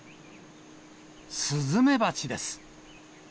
スズメバチです。